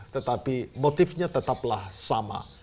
tetapi motifnya tetaplah sama